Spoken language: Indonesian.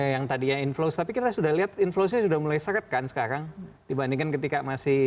yang tadinya inflows tapi kita sudah lihat inflowsnya sudah mulai seret kan sekarang dibandingkan ketika masih